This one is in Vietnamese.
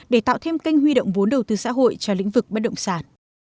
để tạo thêm kênh huy động vốn đầu tư xã hội cho lĩnh vực bất động sản